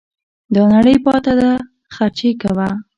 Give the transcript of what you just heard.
دا نړۍ پاته ده خرچې کوه